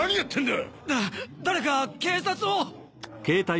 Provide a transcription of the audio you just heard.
だ誰か警察を。